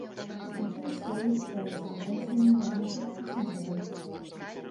Жанчыны старэй цікавяцца вакансіямі нянечак ды сядзелак.